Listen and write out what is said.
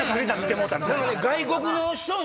外国の人に。